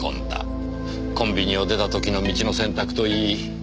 コンビニを出た時の道の選択といい不可解ですねぇ。